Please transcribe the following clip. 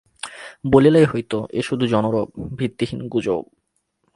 বলিলেই হইত এ শুধু জনরব, ভিত্তিহীন গুজব!